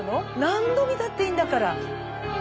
何度見たっていいんだから。